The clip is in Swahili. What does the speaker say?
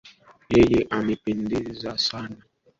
Yeye amependeza sana